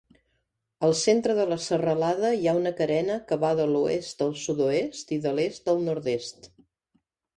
Al centre de la serralada hi ha una carena que va de l'oest al sud-oest i de l'est al nord-est.